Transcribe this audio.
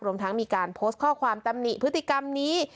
รวมทั้งมีการโพสต์ข้อความตำหนิพฤติกรรมนี้